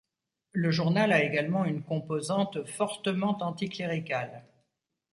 Le journal a également une composante fortement anticléricale.